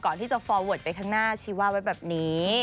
ก่อนที่จะฟอร์เวิร์ดไปข้างหน้าชีว่าไว้แบบนี้